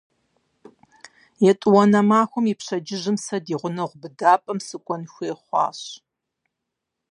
ЕтӀуанэ махуэм и пщэдджыжьым сэ ди гъунэгъу быдапӀэм сыкӀуэн хуей хъуащ.